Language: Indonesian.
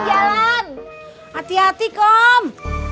jalan hati hati kom